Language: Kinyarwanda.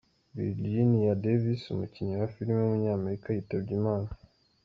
Virginia Davis, umukinnyi wa film w’umunyamerika yitabye Imana.